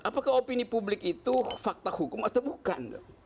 apakah opini publik itu fakta hukum atau bukan